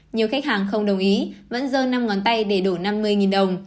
nhiều khách hàng không đồng ý vẫn dơ năm ngón tay để đổ năm mươi đồng